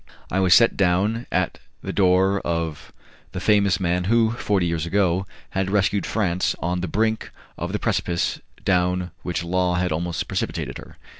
I was set down at the door of the famous man who, forty years ago, had rescued France on the brink of the precipice down which Law had almost precipitated her.